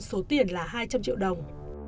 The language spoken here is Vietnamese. số tiền là hai trăm linh triệu đồng